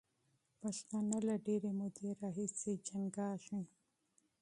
پښتانه له ډېرې مودې راهیسې جنګېږي.